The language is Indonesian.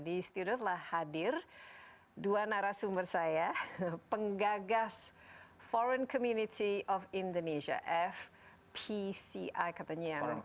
di studio telah hadir dua narasumber saya penggagas foreign community of indonesia fpci katanya